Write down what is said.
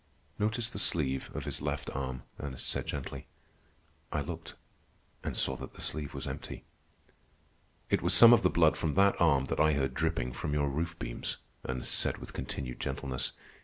"Notice the sleeve of his left arm," Ernest said gently. I looked, and saw that the sleeve was empty. "It was some of the blood from that arm that I heard dripping from your roof beams," Ernest said with continued gentleness.